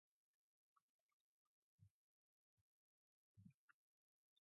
He defended it for three years, after which he left it vacant.